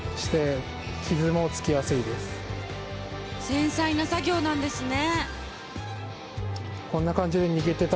繊細な作業なんですね。